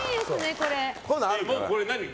これ何？